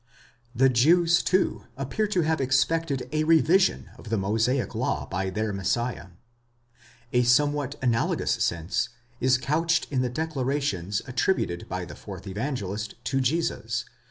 The Jews, too, appear to have expected a revision of the Mosaic law by their Messiah.* A somewhat analo gous sense is couched in the declarations attributed by the fourth Evangelist to Jesus (ii.